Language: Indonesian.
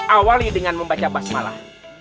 awali dengan membaca basmalah